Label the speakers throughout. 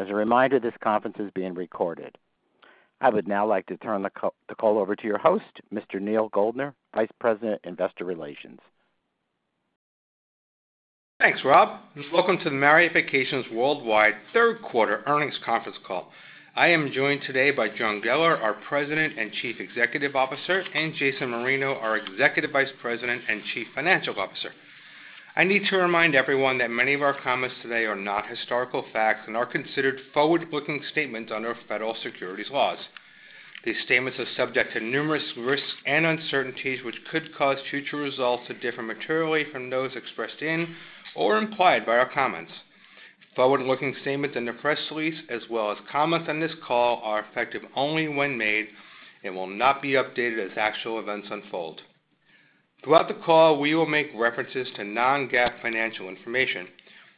Speaker 1: As a reminder, this conference is being recorded. I would now like to turn the call over to your host, Mr. Neal Goldner, Vice President, Investor Relations.
Speaker 2: Thanks, Rob. Welcome to the Marriott Vacations Worldwide Third Quarter Earnings Conference Call. I am joined today by John Geller, our President and Chief Executive Officer, and Jason Marino, our Executive Vice President and Chief Financial Officer. I need to remind everyone that many of our comments today are not historical facts and are considered forward-looking statements under federal securities laws. These statements are subject to numerous risks and uncertainties which could cause future results to differ materially from those expressed in or implied by our comments. Forward-looking statements and the press release, as well as comments on this call, are effective only when made and will not be updated as actual events unfold. Throughout the call, we will make references to non-GAAP financial information.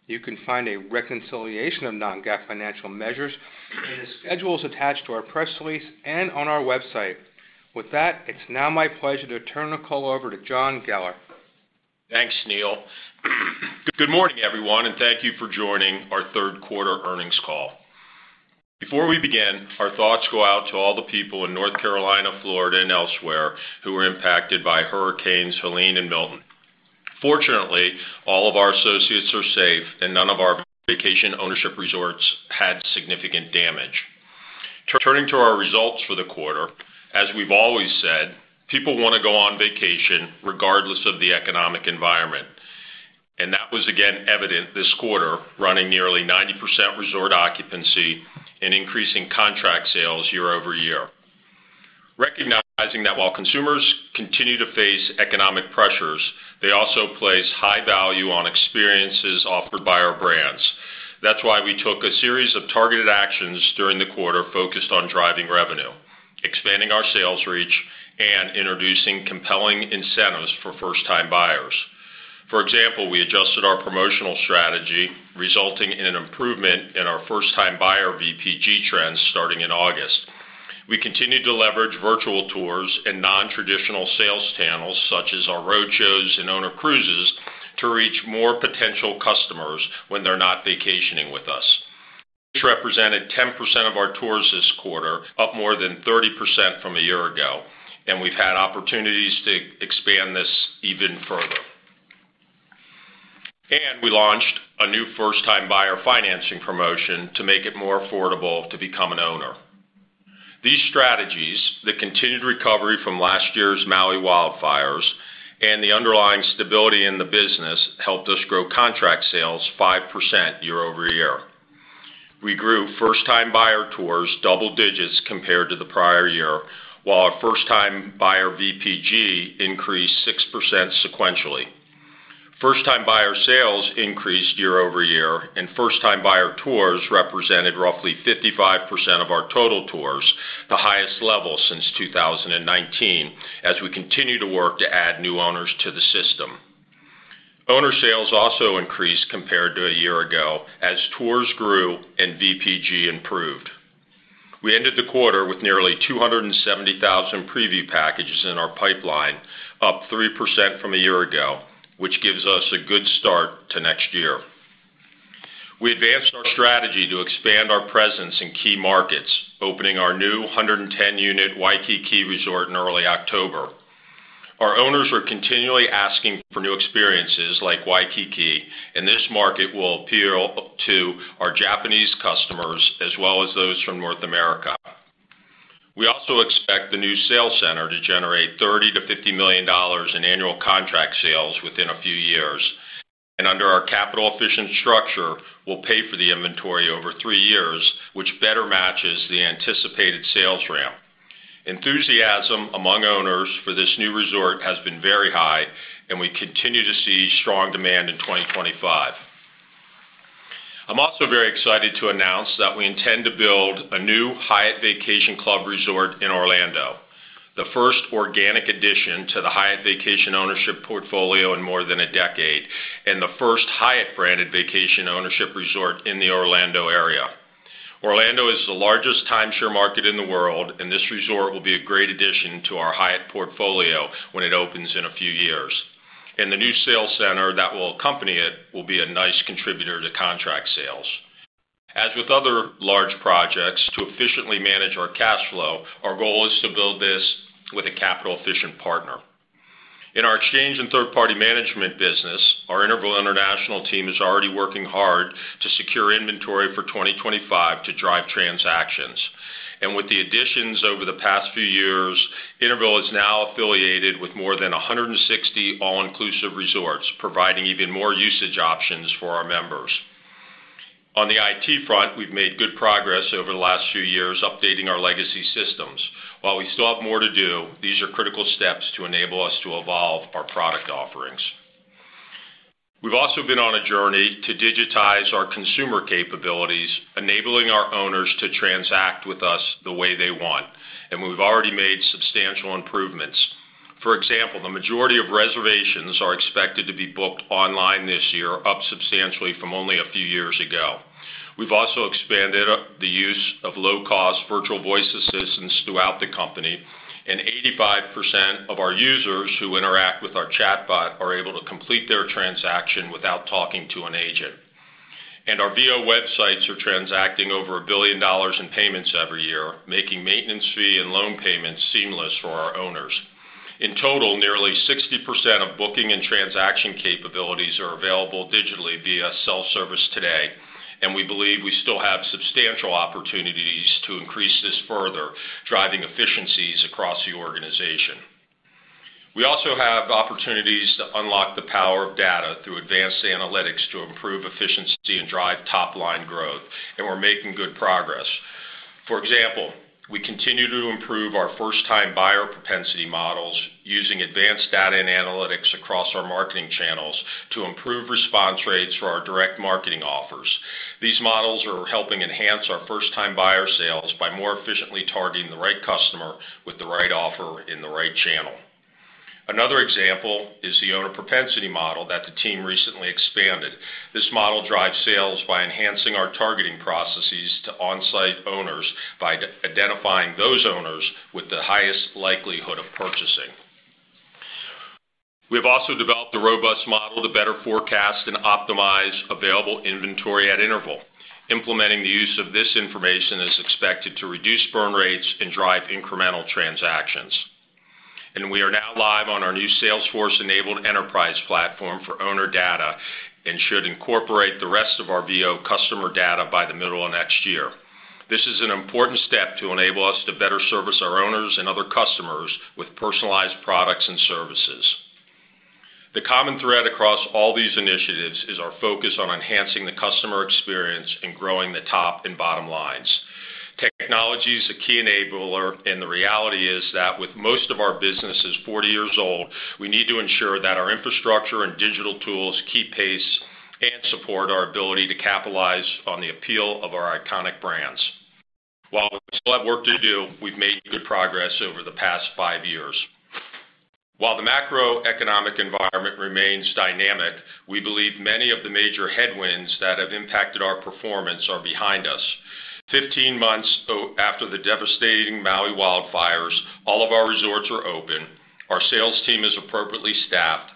Speaker 2: You can find a reconciliation of non-GAAP financial measures in the schedules attached to our press release and on our website. With that, it's now my pleasure to turn the call over to John Geller.
Speaker 3: Thanks, Neal. Good morning, everyone, and thank you for joining our third quarter earnings call. Before we begin, our thoughts go out to all the people in North Carolina, Florida, and elsewhere who were impacted by Hurricanes Helene and Milton. Fortunately, all of our associates are safe, and none of our vacation ownership resorts had significant damage. Turning to our results for the quarter, as we've always said, people want to go on vacation regardless of the economic environment. And that was, again, evident this quarter, running nearly 90% resort occupancy and increasing contract sales year-over-year. Recognizing that while consumers continue to face economic pressures, they also place high value on experiences offered by our brands. That's why we took a series of targeted actions during the quarter focused on driving revenue, expanding our sales reach, and introducing compelling incentives for first-time buyers. For example, we adjusted our promotional strategy, resulting in an improvement in our first-time buyer VPG trends starting in August. We continue to leverage virtual tours and non-traditional sales channels, such as our road shows and owner cruises, to reach more potential customers when they're not vacationing with us. This represented 10% of our tours this quarter, up more than 30% from a year ago. And we've had opportunities to expand this even further. And we launched a new first-time buyer financing promotion to make it more affordable to become an owner. These strategies, the continued recovery from last year's Maui wildfires, and the underlying stability in the business helped us grow contract sales 5% year-over-year. We grew first-time buyer tours double digits compared to the prior year, while our first-time buyer VPG increased 6% sequentially. First-time buyer sales increased year-over-year, and first-time buyer tours represented roughly 55% of our total tours, the highest level since 2019, as we continue to work to add new owners to the system. Owner sales also increased compared to a year ago as tours grew and VPG improved. We ended the quarter with nearly 270,000 preview packages in our pipeline, up 3% from a year ago, which gives us a good start to next year. We advanced our strategy to expand our presence in key markets, opening our new 110-unit Waikiki resort in early October. Our owners are continually asking for new experiences like Waikiki, and this market will appeal to our Japanese customers as well as those from North America. We also expect the new sales center to generate $30 million-$50 million in annual contract sales within a few years. Under our capital-efficient structure, we'll pay for the inventory over three years, which better matches the anticipated sales ramp. Enthusiasm among owners for this new resort has been very high, and we continue to see strong demand in 2025. I'm also very excited to announce that we intend to build a new Hyatt Vacation Club resort in Orlando, the first organic addition to the Hyatt Vacation Ownership portfolio in more than a decade, and the first Hyatt-branded vacation ownership resort in the Orlando area. Orlando is the largest timeshare market in the world, and this resort will be a great addition to our Hyatt portfolio when it opens in a few years. The new sales center that will accompany it will be a nice contributor to contract sales. As with other large projects, to efficiently manage our cash flow, our goal is to build this with a capital-efficient partner. In our exchange and third-party management business, our Interval International team is already working hard to secure inventory for 2025 to drive transactions, and with the additions over the past few years, Interval is now affiliated with more than 160 all-inclusive resorts, providing even more usage options for our members. On the IT front, we've made good progress over the last few years updating our legacy systems. While we still have more to do, these are critical steps to enable us to evolve our product offerings. We've also been on a journey to digitize our consumer capabilities, enabling our owners to transact with us the way they want, and we've already made substantial improvements. For example, the majority of reservations are expected to be booked online this year, up substantially from only a few years ago. We've also expanded the use of low-cost virtual voice assistants throughout the company, and 85% of our users who interact with our chatbot are able to complete their transaction without talking to an agent. And our VO websites are transacting over $1 billion in payments every year, making maintenance fee and loan payments seamless for our owners. In total, nearly 60% of booking and transaction capabilities are available digitally via self-service today. And we believe we still have substantial opportunities to increase this further, driving efficiencies across the organization. We also have opportunities to unlock the power of data through advanced analytics to improve efficiency and drive top-line growth. And we're making good progress. For example, we continue to improve our first-time buyer propensity models using advanced data and analytics across our marketing channels to improve response rates for our direct marketing offers. These models are helping enhance our first-time buyer sales by more efficiently targeting the right customer with the right offer in the right channel. Another example is the owner propensity model that the team recently expanded. This model drives sales by enhancing our targeting processes to on-site owners by identifying those owners with the highest likelihood of purchasing. We have also developed a robust model to better forecast and optimize available inventory at Interval. Implementing the use of this information is expected to reduce burn rates and drive incremental transactions, and we are now live on our new Salesforce-enabled enterprise platform for owner data and should incorporate the rest of our VO customer data by the middle of next year. This is an important step to enable us to better service our owners and other customers with personalized products and services. The common thread across all these initiatives is our focus on enhancing the customer experience and growing the top and bottom lines. Technology is a key enabler, and the reality is that with most of our businesses 40 years old, we need to ensure that our infrastructure and digital tools keep pace and support our ability to capitalize on the appeal of our iconic brands. While we still have work to do, we've made good progress over the past five years. While the macroeconomic environment remains dynamic, we believe many of the major headwinds that have impacted our performance are behind us. Fifteen months after the devastating Maui wildfires, all of our resorts are open. Our sales team is appropriately staffed.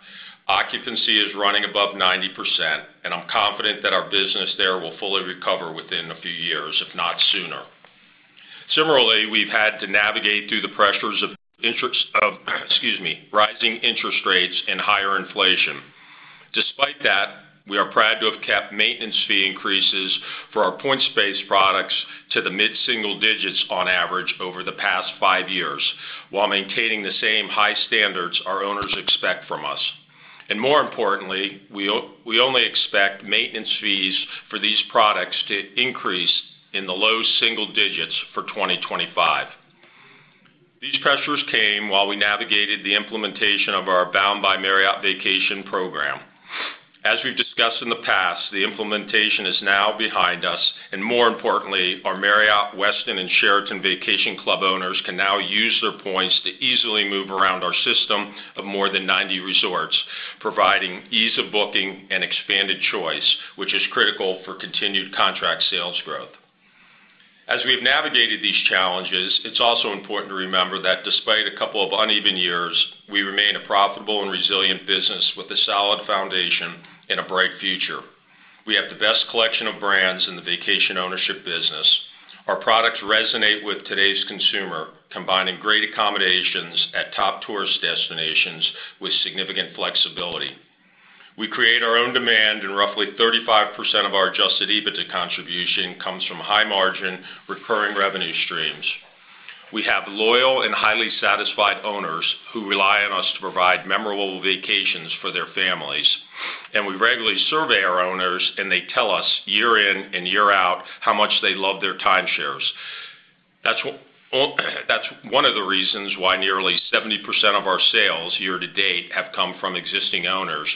Speaker 3: Occupancy is running above 90%, and I'm confident that our business there will fully recover within a few years, if not sooner. Similarly, we've had to navigate through the pressures of rising interest rates and higher inflation. Despite that, we are proud to have kept maintenance fee increases for our points-based products to the mid-single digits on average over the past five years, while maintaining the same high standards our owners expect from us, and more importantly, we only expect maintenance fees for these products to increase in the low single digits for 2025. These pressures came while we navigated the implementation of our Abound by Marriott Vacations program. As we've discussed in the past, the implementation is now behind us. More importantly, our Marriott, Westin, and Sheraton Vacation Club owners can now use their points to easily move around our system of more than 90 resorts, providing ease of booking and expanded choice, which is critical for continued contract sales growth. As we have navigated these challenges, it's also important to remember that despite a couple of uneven years, we remain a profitable and resilient business with a solid foundation and a bright future. We have the best collection of brands in the vacation ownership business. Our products resonate with today's consumer, combining great accommodations at top tourist destinations with significant flexibility. We create our own demand, and roughly 35% of our Adjusted EBITDA contribution comes from high-margin recurring revenue streams. We have loyal and highly satisfied owners who rely on us to provide memorable vacations for their families. And we regularly survey our owners, and they tell us year in and year out how much they love their timeshares. That's one of the reasons why nearly 70% of our sales year to date have come from existing owners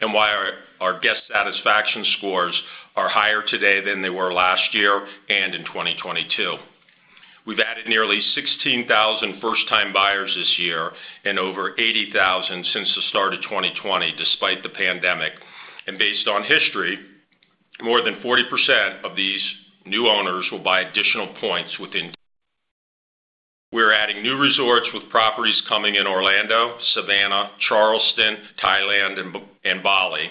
Speaker 3: and why our guest satisfaction scores are higher today than they were last year and in 2022. We've added nearly 16,000 first-time buyers this year and over 80,000 since the start of 2020, despite the pandemic. And based on history, more than 40% of these new owners will buy additional points within. We're adding new resorts with properties coming in Orlando, Savannah, Charleston, Thailand, and Bali.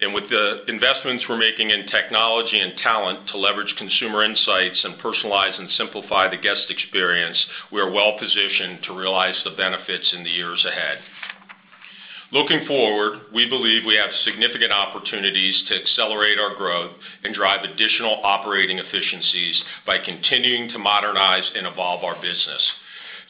Speaker 3: And with the investments we're making in technology and talent to leverage consumer insights and personalize and simplify the guest experience, we are well positioned to realize the benefits in the years ahead. Looking forward, we believe we have significant opportunities to accelerate our growth and drive additional operating efficiencies by continuing to modernize and evolve our business.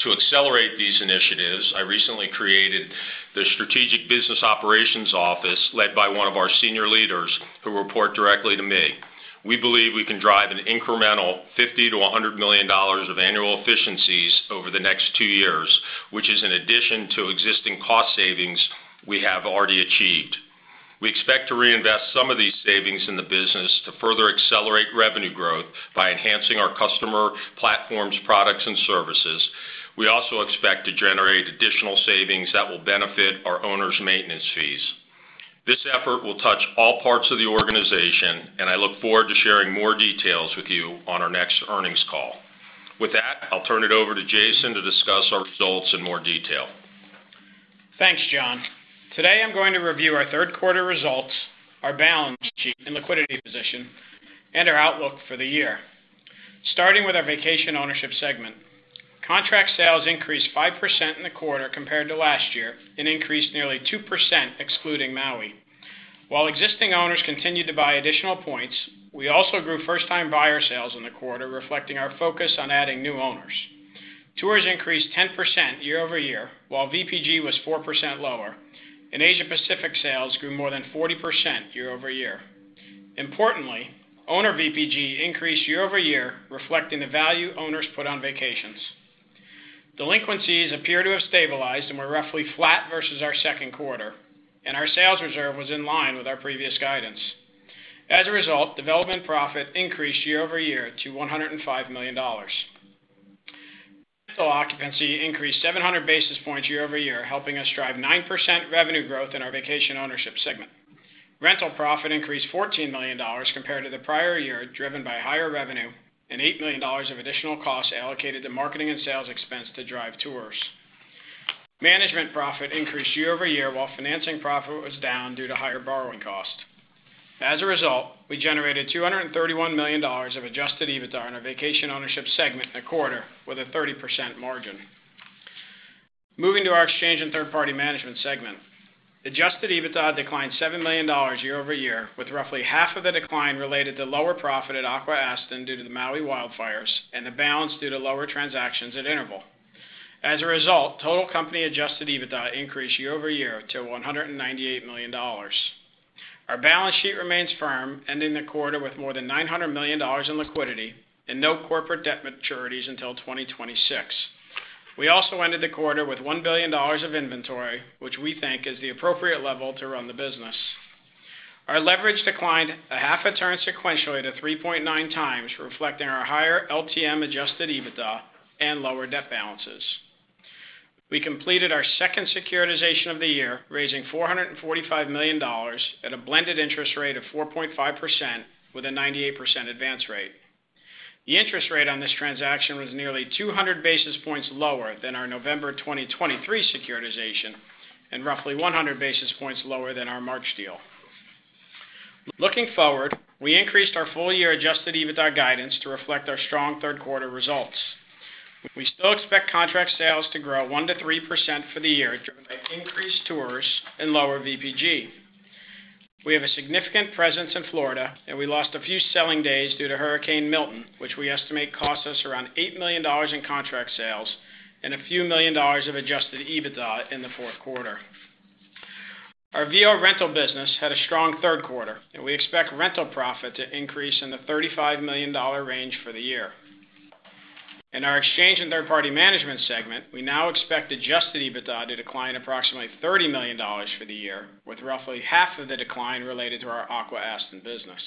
Speaker 3: To accelerate these initiatives, I recently created the Strategic Business Operations Office led by one of our senior leaders who report directly to me. We believe we can drive an incremental $50 million-$100 million of annual efficiencies over the next two years, which is in addition to existing cost savings we have already achieved. We expect to reinvest some of these savings in the business to further accelerate revenue growth by enhancing our customer platforms, products, and services. We also expect to generate additional savings that will benefit our owners' maintenance fees. This effort will touch all parts of the organization, and I look forward to sharing more details with you on our next earnings call. With that, I'll turn it over to Jason to discuss our results in more detail.
Speaker 4: Thanks, John. Today, I'm going to review our third-quarter results, our balance sheet and liquidity position, and our outlook for the year. Starting with our vacation ownership segment, contract sales increased 5% in the quarter compared to last year and increased nearly 2% excluding Maui. While existing owners continued to buy additional points, we also grew first-time buyer sales in the quarter, reflecting our focus on adding new owners. Tours increased 10% year-over-year, while VPG was 4% lower, and Asia-Pacific sales grew more than 40% year-over-year. Importantly, owner VPG increased year-over-year, reflecting the value owners put on vacations. Delinquencies appear to have stabilized and were roughly flat versus our second quarter, and our sales reserve was in line with our previous guidance. As a result, development profit increased year-over-year to $105 million. Rental occupancy increased 700 basis points year-over-year, helping us drive 9% revenue growth in our vacation ownership segment. Rental profit increased $14 million compared to the prior year, driven by higher revenue and $8 million of additional costs allocated to marketing and sales expense to drive tours. Management profit increased year-over-year, while financing profit was down due to higher borrowing costs. As a result, we generated $231 million of Adjusted EBITDA in our vacation ownership segment in the quarter with a 30% margin. Moving to our exchange and third-party management segment, Adjusted EBITDA declined $7 million year-over-year, with roughly half of the decline related to lower profit at Aqua-Aston due to the Maui wildfires and the balance due to lower transactions at Interval. As a result, total company Adjusted EBITDA increased year-over-year to $198 million. Our balance sheet remains firm, ending the quarter with more than $900 million in liquidity and no corporate debt maturities until 2026. We also ended the quarter with $1 billion of inventory, which we think is the appropriate level to run the business. Our leverage declined 0.5 turn sequentially to 3.9 times, reflecting our higher LTM adjusted EBITDA and lower debt balances. We completed our second securitization of the year, raising $445 million at a blended interest rate of 4.5% with a 98% advance rate. The interest rate on this transaction was nearly 200 basis points lower than our November 2023 securitization and roughly 100 basis points lower than our March deal. Looking forward, we increased our full-year adjusted EBITDA guidance to reflect our strong third-quarter results. We still expect contract sales to grow 1%-3% for the year, driven by increased tours and lower VPG. We have a significant presence in Florida, and we lost a few selling days due to Hurricane Milton, which we estimate costs us around $8 million in contract sales and a few million dollars of Adjusted EBITDA in the fourth quarter. Our VO rental business had a strong third quarter, and we expect rental profit to increase in the $35 million range for the year. In our exchange and third-party management segment, we now expect Adjusted EBITDA to decline approximately $30 million for the year, with roughly half of the decline related to our Aqua-Aston business.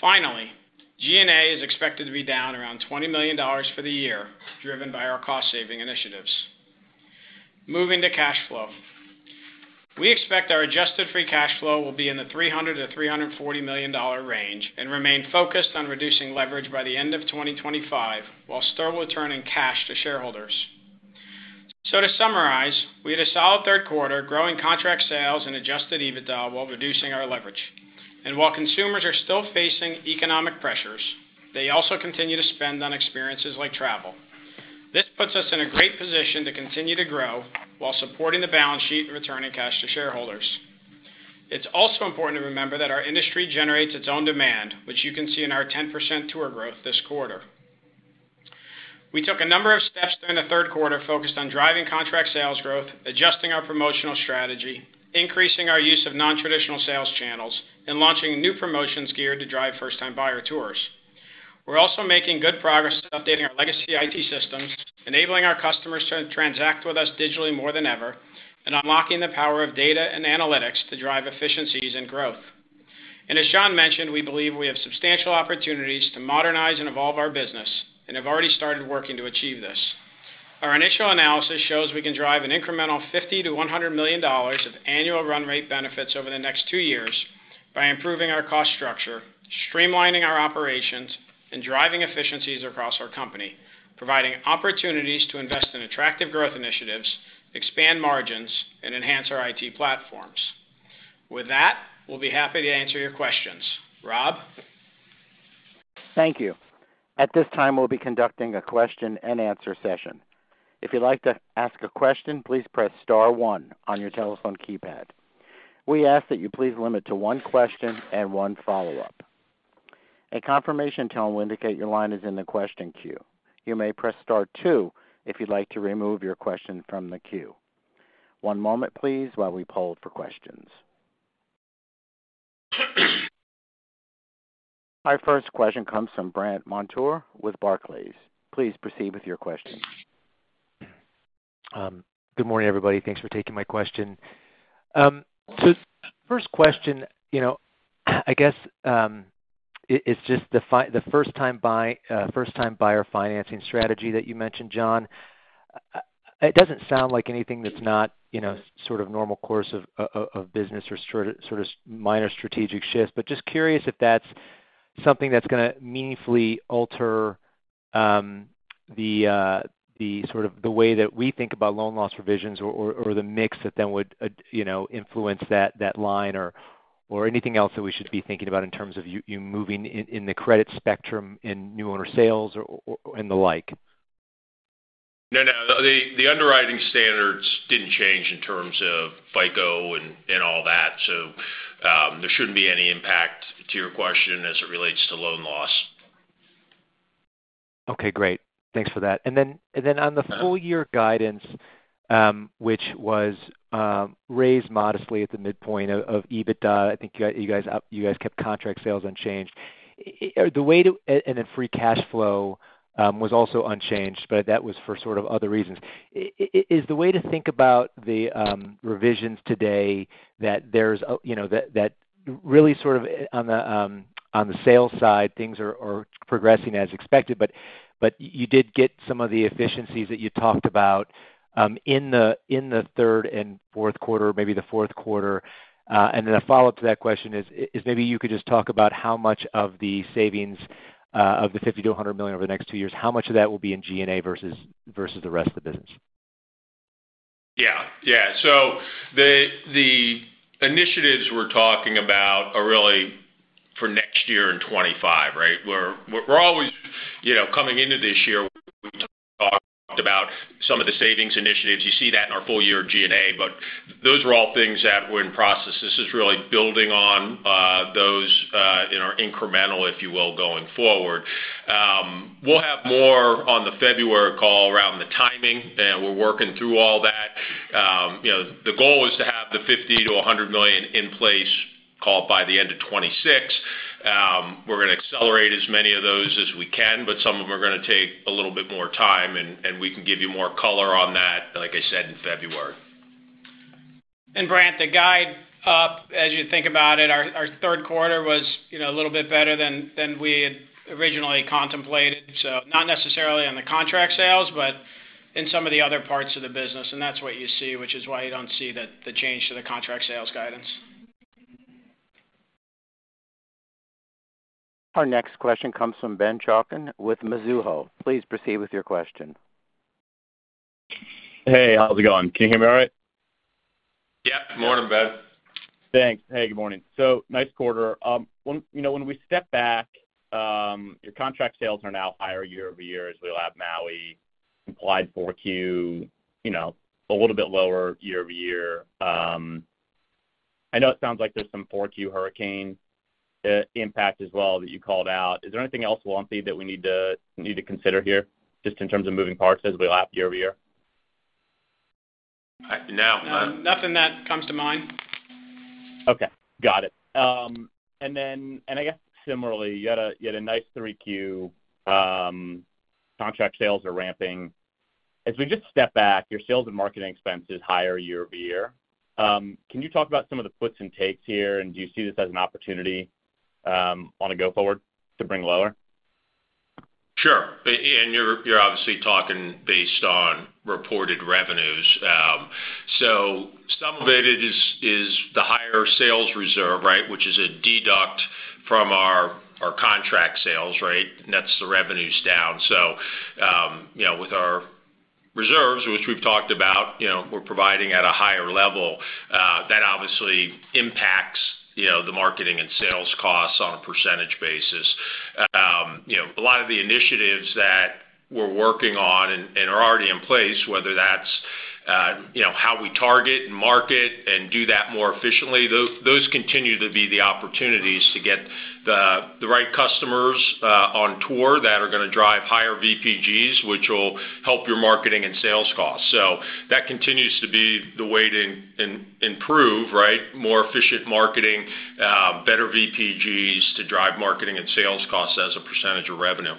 Speaker 4: Finally, G&A is expected to be down around $20 million for the year, driven by our cost-saving initiatives. Moving to cash flow, we expect our adjusted free cash flow will be in the $300 million-$340 million range and remain focused on reducing leverage by the end of 2025 while still returning cash to shareholders. So to summarize, we had a solid third quarter, growing contract sales and adjusted EBITDA while reducing our leverage. And while consumers are still facing economic pressures, they also continue to spend on experiences like travel. This puts us in a great position to continue to grow while supporting the balance sheet and returning cash to shareholders. It's also important to remember that our industry generates its own demand, which you can see in our 10% tour growth this quarter. We took a number of steps during the third quarter focused on driving contract sales growth, adjusting our promotional strategy, increasing our use of non-traditional sales channels, and launching new promotions geared to drive first-time buyer tours. We're also making good progress updating our legacy IT systems, enabling our customers to transact with us digitally more than ever, and unlocking the power of data and analytics to drive efficiencies and growth. And as John mentioned, we believe we have substantial opportunities to modernize and evolve our business and have already started working to achieve this. Our initial analysis shows we can drive an incremental $50-$100 million of annual run rate benefits over the next two years by improving our cost structure, streamlining our operations, and driving efficiencies across our company, providing opportunities to invest in attractive growth initiatives, expand margins, and enhance our IT platforms. With that, we'll be happy to answer your questions. Rob?
Speaker 1: Thank you. At this time, we'll be conducting a question and answer session. If you'd like to ask a question, please press star 1 on your telephone keypad. We ask that you please limit to one question and one follow-up. A confirmation tone will indicate your line is in the question queue. You may press star 2 if you'd like to remove your question from the queue. One moment, please, while we poll for questions. Our first question comes from Brent Montour with Barclays. Please proceed with your question.
Speaker 5: Good morning, everybody. Thanks for taking my question. So first question, I guess it's just the first-time buyer financing strategy that you mentioned, John. It doesn't sound like anything that's not sort of normal course of business or sort of minor strategic shift, but just curious if that's something that's going to meaningfully alter the sort of the way that we think about loan loss revisions or the mix that then would influence that line or anything else that we should be thinking about in terms of you moving in the credit spectrum in new owner sales and the like.
Speaker 3: No, no. The underwriting standards didn't change in terms of FICO and all that, so there shouldn't be any impact to your question as it relates to loan loss.
Speaker 5: Okay, great. Thanks for that. And then on the full-year guidance, which was raised modestly at the midpoint of EBITDA, I think you guys kept contract sales unchanged. The way to—and then free cash flow was also unchanged, but that was for sort of other reasons. Is the way to think about the revisions today that there's that really sort of on the sales side, things are progressing as expected, but you did get some of the efficiencies that you talked about in the third and fourth quarter, maybe the fourth quarter. And then a follow-up to that question is maybe you could just talk about how much of the savings of the $50 million-$100 million over the next two years, how much of that will be in G&A versus the rest of the business?
Speaker 3: Yeah, yeah. So the initiatives we're talking about are really for next year and 2025, right? We're always coming into this year where we talked about some of the savings initiatives. You see that in our full-year G&A, but those were all things that were in process. This is really building on those in our incremental, if you will, going forward. We'll have more on the February call around the timing, and we're working through all that. The goal is to have the $50 million-$100 million in place called by the end of 2026. We're going to accelerate as many of those as we can, but some of them are going to take a little bit more time, and we can give you more color on that, like I said, in February.
Speaker 4: And Brent, the guide's up, as you think about it, our third quarter was a little bit better than we had originally contemplated, so not necessarily on the contract sales, but in some of the other parts of the business, and that's what you see, which is why you don't see the change to the contract sales guidance.
Speaker 1: Our next question comes from Ben Chaiken with Mizuho. Please proceed with your question.
Speaker 6: Hey, how's it going? Can you hear me all right?
Speaker 4: Yep.
Speaker 3: Morning, Ben.
Speaker 6: Thanks. Hey, good morning. So, nice quarter. When we step back, your contract sales are now higher year-over-year as we all have Maui, implied 4Q, a little bit lower year-over-year. I know it sounds like there's some 4Q hurricane impact as well that you called out. Is there anything else we'll have to do that we need to consider here just in terms of moving parts as we all have year-over-year?
Speaker 4: No, nothing that comes to mind.
Speaker 6: Okay. Got it. And then I guess similarly, you had a nice 3Q. Contract sales are ramping. As we just step back, your sales and marketing expenses higher year-over-year. Can you talk about some of the puts and takes here, and do you see this as an opportunity on a go forward to bring lower?
Speaker 3: Sure. And you're obviously talking based on reported revenues. So some of it is the higher sales reserve, right, which is a deduct from our contract sales, right? And that's the revenues down. So with our reserves, which we've talked about, we're providing at a higher level. That obviously impacts the marketing and sales costs on a percentage basis. A lot of the initiatives that we're working on and are already in place, whether that's how we target and market and do that more efficiently, those continue to be the opportunities to get the right customers on tour that are going to drive higher VPGs, which will help your marketing and sales costs. So that continues to be the way to improve, right? More efficient marketing, better VPGs to drive marketing and sales costs as a percentage of revenue.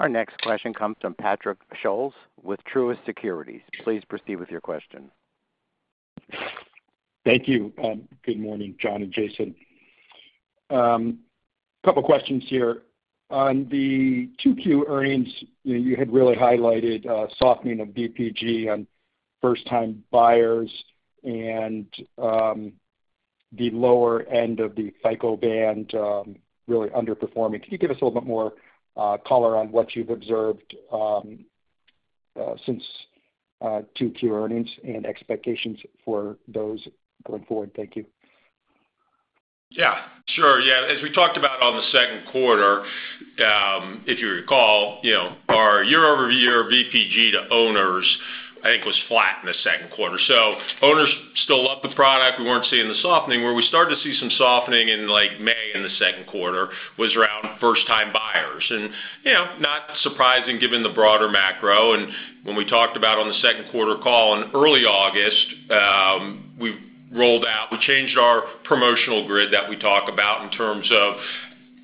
Speaker 1: Our next question comes from Patrick Scholes with Truist Securities. Please proceed with your question.
Speaker 7: Thank you. Good morning, John and Jason. A couple of questions here. On the 2Q earnings, you had really highlighted softening of VPG on first-time buyers and the lower end of the FICO band really underperforming. Can you give us a little bit more color on what you've observed since 2Q earnings and expectations for those going forward? Thank you.
Speaker 3: Yeah, sure. Yeah. As we talked about on the second quarter, if you recall, our year-over-year VPG to owners, I think, was flat in the second quarter. So owners still loved the product. We weren't seeing the softening. Where we started to see some softening in May in the second quarter was around first-time buyers. And not surprising given the broader macro. And when we talked about on the second quarter call in early August, we rolled out, we changed our promotional grid that we talk about in terms of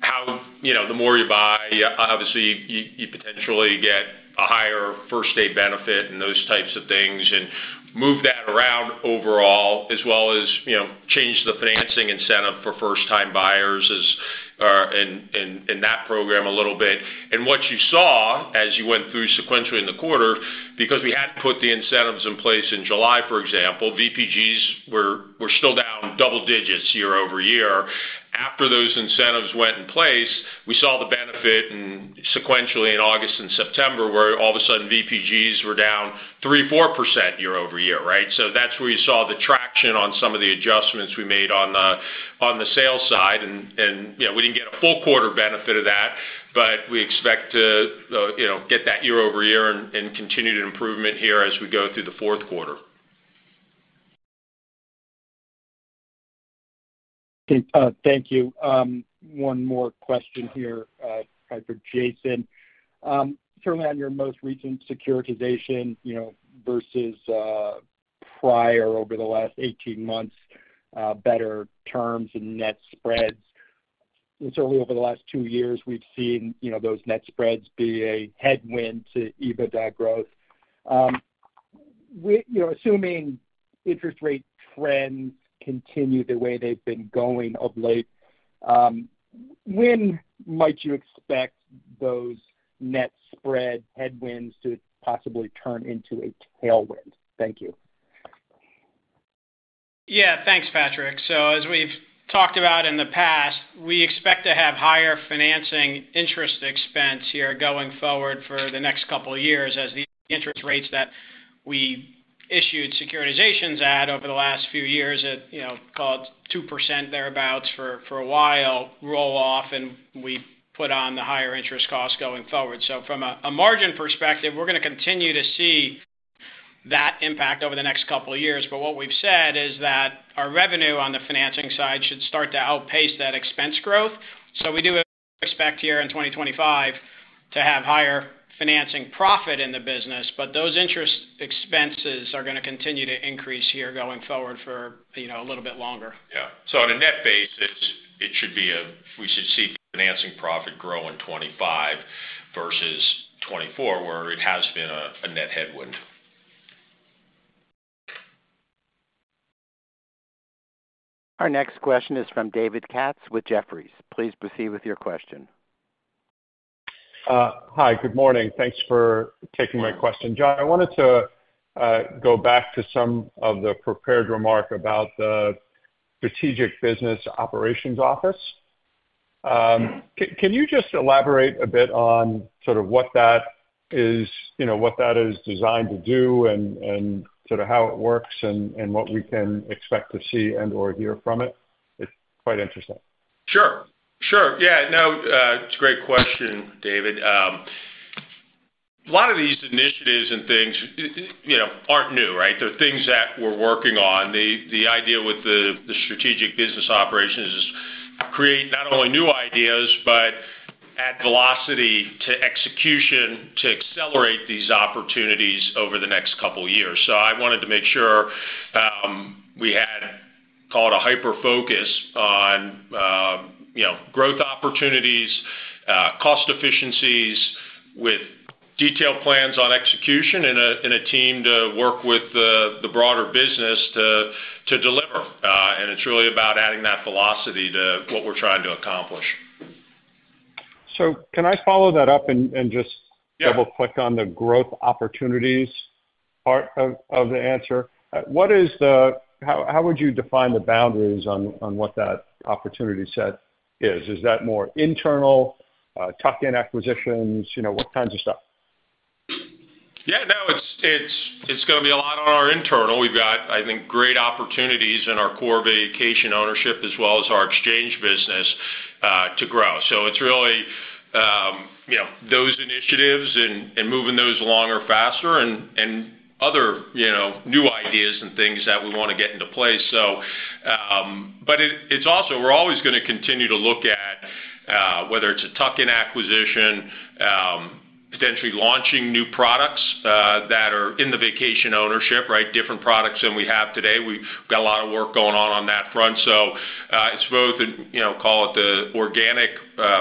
Speaker 3: how the more you buy, obviously, you potentially get a higher first-day benefit and those types of things. And moved that around overall, as well as changed the financing incentive for first-time buyers in that program a little bit. And what you saw as you went through sequentially in the quarter, because we had put the incentives in place in July, for example, VPGs were still down double digits year-over-year. After those incentives went in place, we saw the benefit sequentially in August and September, where all of a sudden VPGs were down 3%-4% year-over-year, right? So that's where you saw the traction on some of the adjustments we made on the sales side. And we didn't get a full quarter benefit of that, but we expect to get that year-over-year and continued improvement here as we go through the fourth quarter.
Speaker 7: Thank you. One more question here, for Jason. Certainly on your most recent securitization versus prior over the last 18 months, better terms and net spreads. Certainly over the last two years, we've seen those net spreads be a headwind to EBITDA growth. Assuming interest rate trends continue the way they've been going of late, when might you expect those net spread headwinds to possibly turn into a tailwind? Thank you.
Speaker 4: Yeah, thanks, Patrick. So as we've talked about in the past, we expect to have higher financing interest expense here going forward for the next couple of years as the interest rates that we issued securitizations at over the last few years, called 2% thereabouts for a while, roll off, and we put on the higher interest costs going forward. So from a margin perspective, we're going to continue to see that impact over the next couple of years. But what we've said is that our revenue on the financing side should start to outpace that expense growth. So we do expect here in 2025 to have higher financing profit in the business, but those interest expenses are going to continue to increase here going forward for a little bit longer.
Speaker 3: Yeah, so on a net basis, we should see financing profit grow in 2025 versus 2024, where it has been a net headwind.
Speaker 1: Our next question is from David Katz with Jefferies. Please proceed with your question.
Speaker 8: Hi, good morning. Thanks for taking my question. John, I wanted to go back to some of the prepared remark about the Strategic Business Operations Office. Can you just elaborate a bit on sort of what that is, what that is designed to do, and sort of how it works, and what we can expect to see and/or hear from it? It's quite interesting.
Speaker 3: Sure. Sure. Yeah. No, it's a great question, David. A lot of these initiatives and things aren't new, right? They're things that we're working on. The idea with the Strategic Business Operations is to create not only new ideas, but add velocity to execution to accelerate these opportunities over the next couple of years. So I wanted to make sure we had, call it a hyper focus on growth opportunities, cost efficiencies with detailed plans on execution and a team to work with the broader business to deliver. And it's really about adding that velocity to what we're trying to accomplish.
Speaker 8: So can I follow that up and just double-click on the growth opportunities part of the answer? What is the, how would you define the boundaries on what that opportunity set is? Is that more internal, tuck-in acquisitions, what kinds of stuff?
Speaker 3: Yeah. No, it's going to be a lot on our internal. We've got, I think, great opportunities in our core vacation ownership as well as our exchange business to grow. So it's really those initiatives and moving those along or faster and other new ideas and things that we want to get into place. But it's also. We're always going to continue to look at whether it's a tuck-in acquisition, potentially launching new products that are in the vacation ownership, right? Different products than we have today. We've got a lot of work going on on that front. So it's both, call it the organic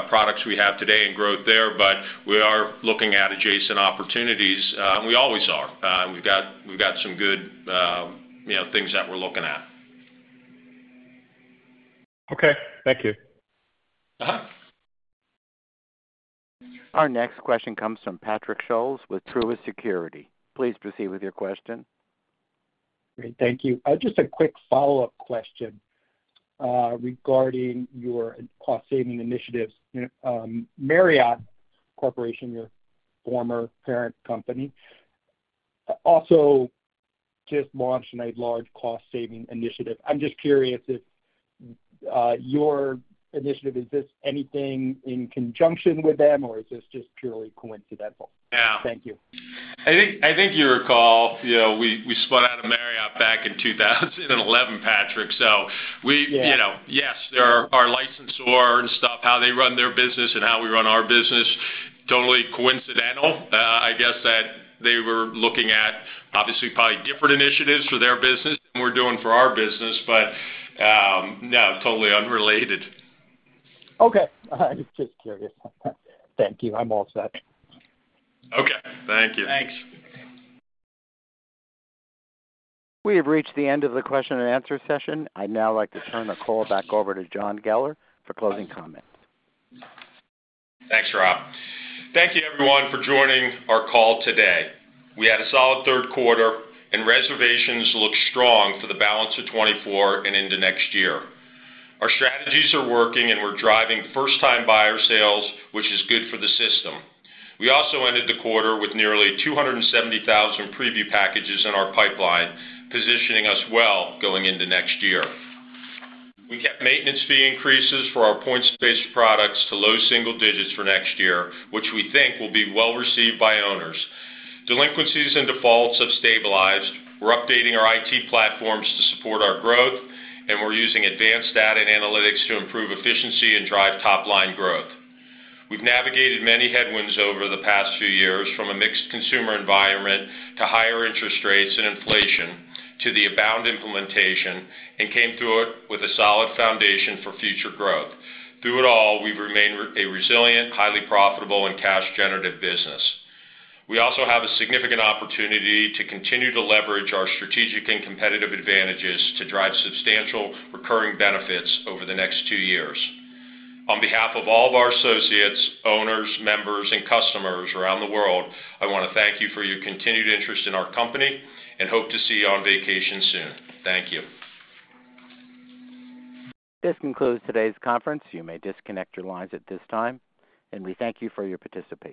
Speaker 3: products we have today and growth there, but we are looking at adjacent opportunities. We always are. We've got some good things that we're looking at.
Speaker 8: Okay. Thank you.
Speaker 1: Our next question comes from Patrick Scholes with Truist Securities. Please proceed with your question.
Speaker 7: Great. Thank you. Just a quick follow-up question regarding your cost-saving initiatives. Marriott International, your former parent company, also just launched a large cost-saving initiative. I'm just curious if your initiative is this anything in conjunction with them, or is this just purely coincidental?
Speaker 3: Yeah.
Speaker 7: Thank you.
Speaker 3: I think you recall we spun out of Marriott back in 2011, Patrick, so yes, our licensor and stuff, how they run their business and how we run our business, totally coincidental. I guess that they were looking at obviously probably different initiatives for their business than we're doing for our business, but no, totally unrelated.
Speaker 7: Okay. I was just curious. Thank you. I'm all set.
Speaker 3: Okay. Thank you.
Speaker 4: Thanks.
Speaker 1: We have reached the end of the question and answer session. I'd now like to turn the call back over to John Geller for closing comments.
Speaker 3: Thanks, Rob. Thank you, everyone, for joining our call today. We had a solid third quarter, and reservations look strong for the balance of 2024 and into next year. Our strategies are working, and we're driving first-time buyer sales, which is good for the system. We also ended the quarter with nearly 270,000 preview packages in our pipeline, positioning us well going into next year. We kept maintenance fee increases for our point-based products to low single digits for next year, which we think will be well received by owners. Delinquencies and defaults have stabilized. We're updating our IT platforms to support our growth, and we're using advanced data and analytics to improve efficiency and drive top-line growth. We've navigated many headwinds over the past few years, from a mixed consumer environment to higher interest rates and inflation to the Abound implementation, and came through it with a solid foundation for future growth. Through it all, we've remained a resilient, highly profitable, and cash-generative business. We also have a significant opportunity to continue to leverage our strategic and competitive advantages to drive substantial recurring benefits over the next two years. On behalf of all of our associates, owners, members, and customers around the world, I want to thank you for your continued interest in our company and hope to see you on vacation soon. Thank you.
Speaker 1: This concludes today's conference. You may disconnect your lines at this time, and we thank you for your participation.